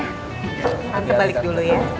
tante balik dulu ya